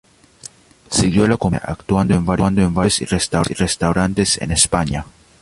Siguió la competencia, actuando en varios clubes y restaurantes en España.